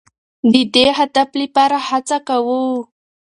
د دې هدف لپاره هڅه کوو.